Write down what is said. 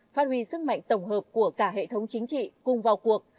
phát huy sức mạnh tổng hợp của cả hệ thống chính trị cùng vào cuộc